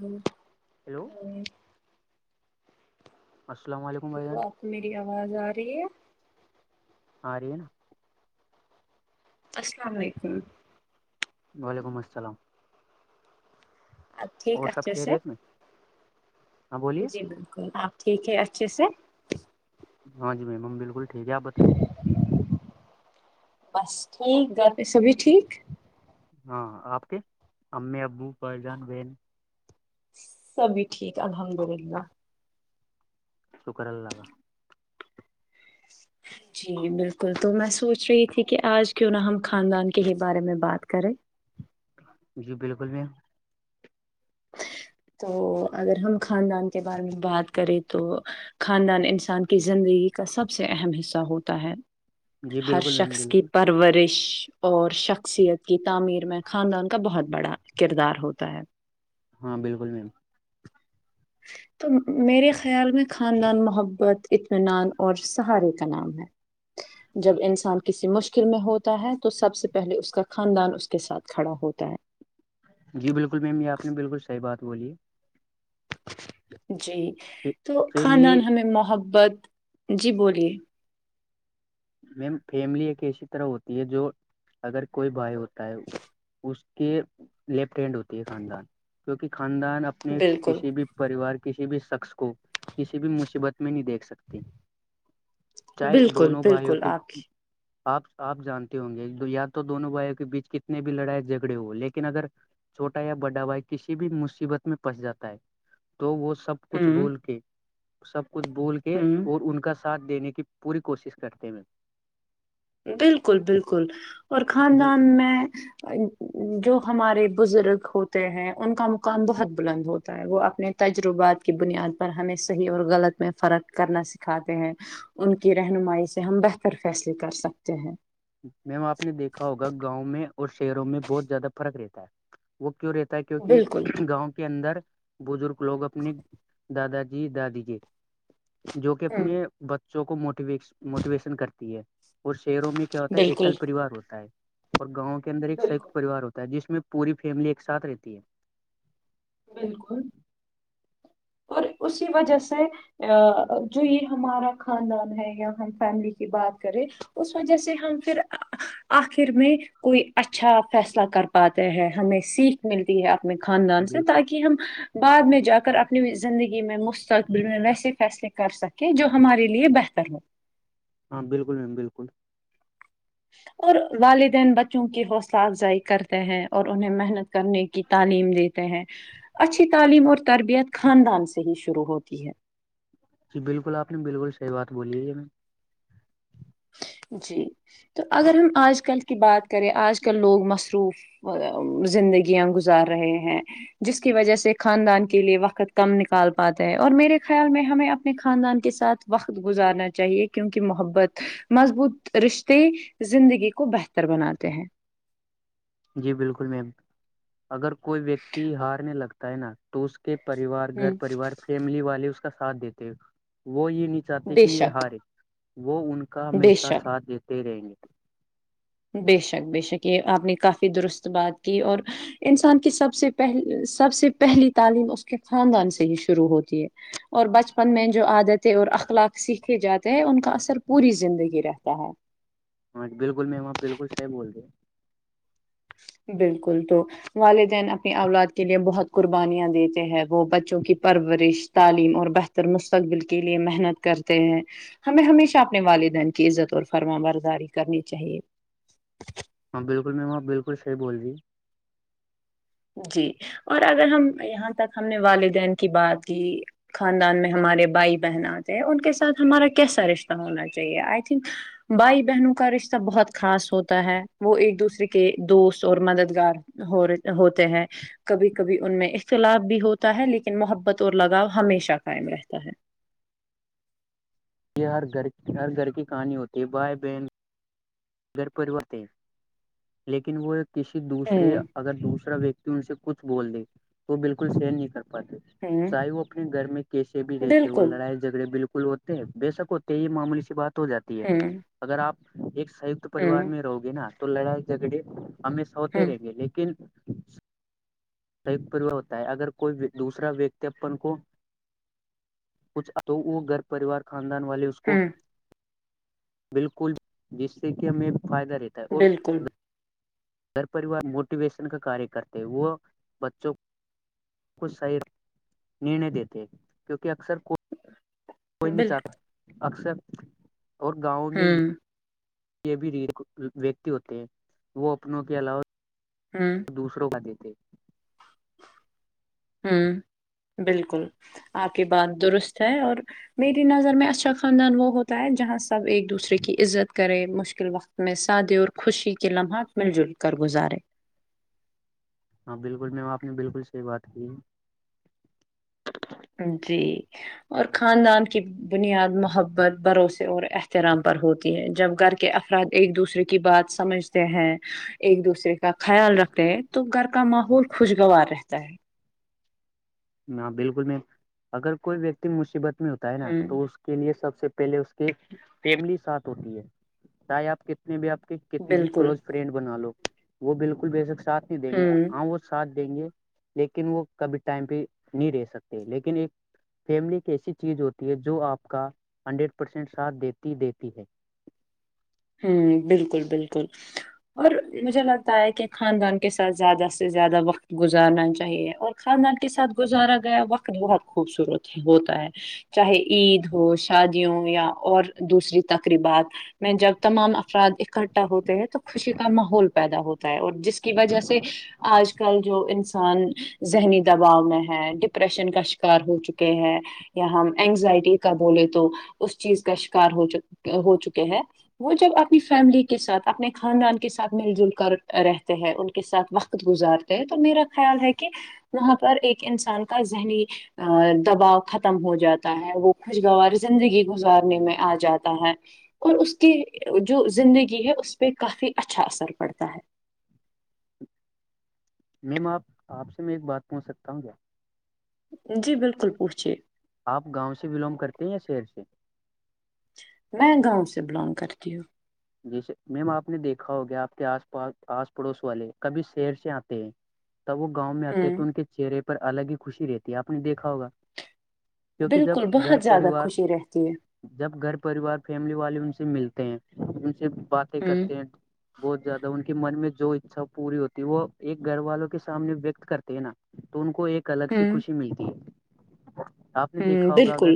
ہ ہ ہیلو [unintelligible] السلام علیکم بائی جان آپ میری آواز آ رہی ہے آ رہی ہے نا السلام علیکم وعلیکم السلام آپ ٹھیک اور سب اچھے سے خیریت میں ہاں بولیے آپ ٹھیک ہے اچھے سے ہاں جی میمم بالکل ٹھیک ہے آپ بتائیے بس ٹھیک گھر پہ سبھی ٹھیک ہاں آپ کے امی ابو بائی جان بہن سبھی ٹھیک الحمد للہ سکر اللہ کا ج جی [unintelligible] جی بالکل تو میں سوچ رہی تھی کہ آج کیوں نہ ہم خاندان کے ہی بارے میں بات کریں جی بالکل بھی تو اگر ہم خاندان کے بارے میں بات کریں تو خاندان انسان کی زندگی کا سب سے اہم حصہ ہوتا ہے جی ہر بالکل میم شخص کی بالکل پر پرورش اور شخصیت کی تعمیر میں خاندان کا بہت بڑا کردار ہوتا ہے ہاں بالکل میم تو میرے خیال میں خاندان محبت اطمینان اور سہارے کا نام ہے [inaudible] جب انسان کسی مشکل میں ہوتا ہے تو سب سے پہلے اس کا خاندان اس کے ساتھ کھڑا ہوتا ہے جی بالکل میم یہ آپ نے بالکل صحیح بات بولی ہے جی ہے تو فیملی خاندان ہمیں محبت جی بولیے میم فیملی ایک ایسی طرح ہوتی ہے جو اگر کوئی بھائی ہوتا ہے اس کے لیفٹ ہینڈ ہوتی ہے خاندان کیکہ خاندان اپ اپنے بالکل کسی بھی پریوار کسی بھی شخص کو کسی بھی مصیبت میں نہیں دیکھ سکتی چاہے بالکل دونوں بھائیوں بالکل کے [inaudible] آپ آپ جانتے ہوں گے یا تو دونوں بھائیوں کے بیچ کتنے بھی لڑائی جھگڑے ہو لیکن اگر چھوٹا یا بڑا بھائی کسی بھی مصیبت میں پنس جاتا ہے تو وہ سب کچھ ہوں بول کے سب کچھ بول کے ہوں اور ان کا ساتھ دینے کی پوری کوشش کرتے میں بالکل بالکل اور میم خاندان میں جو ہمارے بزرگ ہوتے ہیں ان کا مقام بہت بلند ہوتا ہے وہ اپنے تجربات کی بنیاد پر ہمیں صحیح اور غلط میں فرق کرنا سکھاتے ہیں ان کی رہنمائی سے ہم بہتر فیصلے کر سکتے ہیں میم آپ نے دیکھا ہوگا گاؤں میں اور شہروں میں بہت زیادہ فرق رہتا ہے وہ کیوں رہتا کیونکہ بالکل گاؤں کے اندر بزرگ لوگ اپنی دادا جی دادی جی جو کہ ہوں اپنے بچوں کو موٹیویش موٹیویشن کرتی ہے اور شہروں میں کیا ہوتا بالکل ایکل پریوار ہوتا ہے اور گاؤں کے اندر ایک سیکت بالکل پریوار ہوتا جس میں پوری فیملی ایک ساتھ رہتی ہے بالکل اور اسی وجہ سے ا جو یہ ہمارا خاندان ہے یا ہم فیملی کی بات کریں اس وجہ سے ہم پھر آخر میں کوئی اچھا فیصلہ کر پاتے ہے ہمیں سیکھ ملتی ہے اپنے خاندان سے بالکل کہ ہم بعد میں جا کر اپنی زندگی میں مستقبل میں ویسے فیصلے کر سکیں جو ہمارے لیے بہتر ہو ہاں بالکل میم بالکل اور والدین بچوں کی حوصلہ افزائی کرتے ہیں اور انہیں محنت کرنے کی تعلیم دیتے ہیں اچھی تعلیم اور تربیت خاندان سے ہی شروع ہوتی ہے جی بالکل آپ نے بالکل صحیح بات بولی ہے یہ میں جی تو اگر ہم آج کل کی بات کریں آج کل آج کل لوگ مصروف زندگیاں گزار رہے ہیں جس کی وجہ سے خاندان کے لیے وقت کم نکال پاتے ہیں اور میرے خیال میں ہمیں اپنے خاندان کے ساتھ وقت گزارنا چاہیے کیونکہ محبت مضبوط رشتے زندگی کو بہتر بناتے ہیں جی بالکل میم اگر کوئی ویکتی ہارنے لگتا ہے نا تو اس کے پریوار ہ گھر پریوار فیملی والے اس کا ساتھ دیتے ہیں وہ یہ نیچ چاہتے بے کہ یہ شک ہارے وہ ان کا بے ہمیشہ شک ساتھ دیتے رہیں گے بے شک بے شک یہ آپ نے کافی درست بات کی اور انسان کی سب سے پہل سب سے پہلی تعلیم اس کے خاندان سے ہی شروع ہوتی ہے اور بچپن میں جو عادتیں اور اخلاق سیکھے جاتے ہیں ان کا اثر پوری زندگی رہتا ہے ہاں جی بالکل میں وہاں بالکل صح بول رہے ہیں بالکل تو والدین اپنی اولاد کے لیے بہت قربانیاں دیتے ہیں وہ بچوں کی پرورش تعلیم اور ب تر مستقبل کے لیے محنت کرتے ہیں ہمیں ہمیشہ اپنے والدین کی عزت اور فرما برداری کرنی چاہیے ہاں بالکل میماں بالکل صحی بول رہ جی جی اور اگر ہم یہاں تک ہم نے والدین کی بات دی خاندان میں ہمارے بھائی بہن آتے ہیں ان کے ساتھ ہمارا کیسا رشتہ ہونا چاہیے آئی تھنک بھائی بہنوں کا رشتہ بہت خاص ہوتا ہے وہ ایک دوسرے کے دوست اور مددگار ہو ہوتے ہیں کبھی کبھی ان میں اختلاف بھی ہوتا ہے لیکن محبت اور لگاؤ ہمیشہ قائم رہتا ہے یہ ہر گھر ہر گھر کی کہانی ہوتی ہے بھائی بہن گھر پروت ہے لیکن وہ کسی دوسرے ہوں اگر دوسرا ویکتی ان سے کچھ بول دے تو وہ بالکل سر نہیں کر پاتے ہوں چاہے وہ اپنے گھر میں کیسے بھی رہتے وہ بالکل لڑائی جگڑے بالکل ہوتے ہیں بے شک ہوتے ہیں یہ معمولی سی بات ہو جاتی ہے ہوں اگر آپ ایک سی ہوں پریوار میں رہو گے نا تو لڑائی جھگڑے ہمیں سوتے ہوں رہیں گے لیکن ایک پریوار ہوتا ہے اگر کوئی دوسرا ویکتی اپن کو کچھ تو وہ گرب پریوار خاندان والے کو ہوں بالکل جس سے کہ ہمیں فائدہ رہتا ہے اور بالکل گھر پریوار موٹیویشن کا کاریہ کرتے ہیں وہ بچوں کوچ صحیح نے دیتے کیونکہ اکثر کوئی کوئی نہیں چاہتا بالکل اکثر اور گاؤں میں یہ ہوں بھی ر ویکتی ہوتے ہیں وہ اپنوں کے علاوہ ہاں دوسروں کا دیتے ہوں بالکل آپ کی بات درست ہے اور میری نظر میں اچھا خاندان وہ ہوتا ہے جہاں سب ایک دوسرے کی عزت کرے مشکل وقت میں سادے اور خوشی کے لمحات مل جل کر گزارے ہاں بالکل میم آپ نے بالکل صحی بات کی ہے جی اور خاندان کی بنیاد محبت بھروسے اور احترام پر ہوتی ہے جب گھر کے افراد ایک دوسرے کی بات سمجھتے ہیں ایک دوسرے کا خیال رکھتے ہیں تو گھر کا ماحول خوشگوار رہتا ہے ہاں بالکل میں اگر کوئی ویکتی مصیبت میں ہوتا ہے نا ہوں تو اس کے لیے سب سے پہلے اس کے فیملی ساتھ ہوتی ہے بائے آپ کتنے بھی آپ کے کتنے بھی بالکل کلوز فرینڈ بنا لو وہ بالکل بے شک سھ نہیں دیں گے ہوں ہ وہ ساتھ دیں گے لیکن وہ کبھی ٹائم پہ نہیں رہ سکتے لیکن ایک فیملی کی ایسی چیز ہوتی ہے جو آپ کا ہنڈریڈ پرسینٹ ساتھ دیتی دیتی ہے ہوں بالکل بالکل اور مجھے لگتا ہے کہ خاندان کے ساتھ زیادہ سے زیادہ وقت گزارنا چاہیے اور خاندان کے ساتھ گزارا گیا وقت بہت خوبصورت ہے ہوتا ہے چاہے عید ہو شادیوں یا اور دوسری تقریبات میں جب تمام افراد اکٹھا ہوتے ہیں تو خوشی کا ماحول پیدا ہوتا ہے اور جس کی وجہ سے آج کل جو انسان ذہنی دباؤ میں ہے ڈپریشن کا شکار ہو چکا ہے یا ہم اینگزائٹی کا بولے تو اس چیز کا شکار ہو ہو چکے ہے وہ جب اپنی فیملی کے ساتھ اپنے خاندان کے ساتھ مل جل کر رہتے ہیں ان کے ساتھ وقت گزارتے ہیں تو میرا خیال ہے کہ وہاں پر ایک انسان کا ذہنی ا دباؤ ختم ہو جاتا ہے وہ خوشگوار زندگی گزارنے میں آ جاتا ہے اور اس کی جو زندگی ہے اس پہ کافی اچھا اثر پڑتا ہے میم آپ آپ سے میں ایک بات پوچھ سکتا ہوں کیا جی بالکل پوچھیے آپ گاؤں سے بلونگ کرتے ہیں یا شہر سے میں گاؤں سے بلونگ کرتی ہوں جی سر میم آپ نے دیکھا ہوگیا آپ کے آس پاس آس پڑوس والے کبھی شیر سے آتے ہیں تب وہ گاؤں میں آتے تو ہوں ان کے چہرے پر الگ ہی خوشی رہتی ہے آپ نے دیکھا ہوگا کیونکہ جب بالکل گھر بہت زیادہ پریوار خوشی رہتی ہے جب گھر پریوار فیملی والے ان سے ملتے ہیں ان سے باتیں ہوں کرتے ہیں بہت زیادہ ان کی من میں جو اچھا پوری ہوتی ہے وہ ایک گھر والوں کے سامنے ویکت کرتی ہے نا تو ان کو ایک الگ سی ہوں خوشی ملتی ہے آپ نے ہوں دیکھا ہوگا اگر بالکل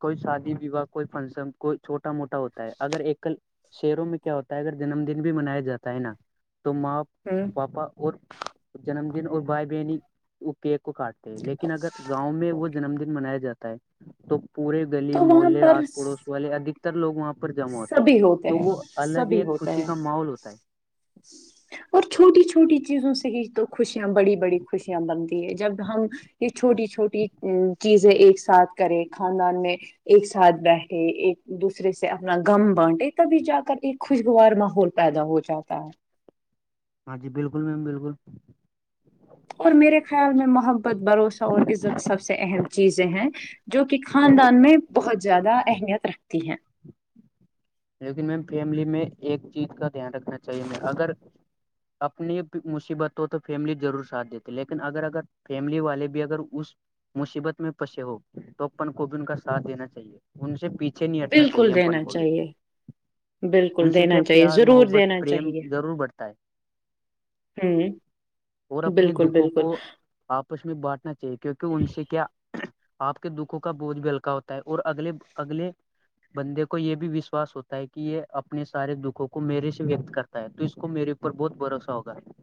کوئی شادی وواہ کوئی فنکشن کوئی چھوٹا موٹا ہوتا ہے اگر ایک کل شہروں میں کیا ہوتا ہے اگر جنم دن بھی منایا جاتا ہے نا تو ماں ہوں پاپا اور جنم دن اور بھائی بہنی کو کیک کو کاٹ لیکن اگر گاؤں میں وہ جنم دن منایا جاتا ہے تو پورے گلی تو وہاں مہے پر آس پڑوس والے ادکتر لوگ وہاں پر جمع ہوتے ہیں سبھی تو ہیں وہ الگ ہی سبھی ایک ہوتا خوشی ہے کا ماحول ہوتا ہے اور چھوٹی چھوٹی چیزوں سے ہی تو خوشیاں بڑی بڑی خوشیاں بنتی ہے جب ہم یہ چھوٹی چھوٹی چیزیں ایک ساتھ کرے خاندان میں ایک ساتھ بیٹھے ایک دوسرے سے اپنا گغم بانٹے تبھی جا کر ایک خوشگوار ماحول پیدا ہو جاتا ہے ہاں جی بالکل میم بالکل اور میرے خیال میں محبت بھروسہ اور عزت سب سے اہم چیزیں ہیں جو کہ خاندان میں بہت زیادہ اہمیت رکھتی ہیں لیکن میم فیملی میں ایک چیز کا دھیان رکھنا چاہیے میں اگر اپنی مصیبت ہو تو فیملی ضرور ساتھ دیتے لیکن اگر اگر فیملی والے بھی اگر اس مصیبت میں پھسے ہو توپن کو بھی ان کا ساتھ دینا چاہیے ان سے پیچھے نہیں ہٹنا چاہیے بالکل ہمن دینا بول چاہیے ان بالکل سے کیا دینا چاہیے پیار ضرور محبت دینا پریم چاہیے ضرور بڑھتا ہے ہوں اور اپنے بالکل دکھوں بالکل کو آپس میں بانٹنا چاہیے کیونکہ ان سے کیا آپ کے دکھوں کا بوجھ بھی ہلکا ہوتا ہے اور اگل اگل بندے کو یہ بھی وشواس ہوتا ہے کہ یہ اپنے سارے دکھوں کو میرے سے ویکت کرتا ہے تو اس کو میرے اوپر بہت بھروسہ ہوگا ہے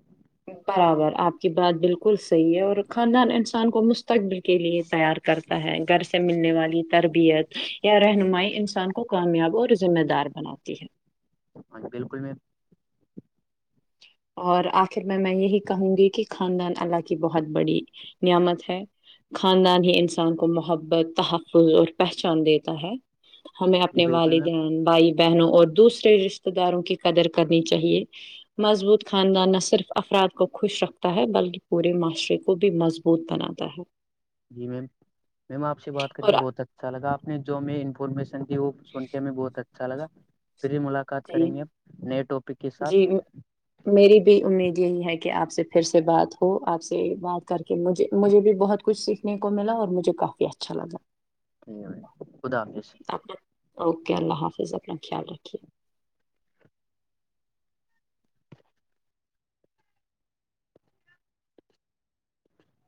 برابر آپ کی بات بالکل صحیح ہے اور خاندان انسان کو مستقبل کے لیے تیار کرتا ہے گھر سے ملنے والی تربیت کیا رہنمائی انسان کو کامیاب اور ذمہ دار بناتی ہے ہاں بالکل میں اور آخر میں میں یہی کہوں گی کہ خاندان اللہ کی بہت بڑی نعمت ہے خاندان ہی انسان کو محبت تحق اور پہچان دیتا ہے ہمیں جی اپنے بالکل میم والدین بھائی بہنوں اور دوسرے رشتے داروں کی قدر کرنی چاہیے مضبوط خاندان نہ صرف افراد کو خوش رکھتا ہے بلکہ پورے معاشرے کو بھی مضبوط بناتا ہے جی میم میم آپ سے بات کر اور کے بہت تک اچھا لگاپ نے جو میں انفارمیشن دی وہ سن کے ہمیں بہت اچھا لگا پھر بھی ملا بات جی کریں گے ہم نئے ٹاپک کے جی حساتھ م- میری بھی امید یہی ہے کہ آپ سے پھر سے بات ہو آپ سے بات کر کہجھ مجھے بھی بہت کچھ سیکھنے کو ملا اور مجھے کافی اچھا لگا ھ بھائی خدا حس اوکے اللہ حافظ اپنا خیال رکھیے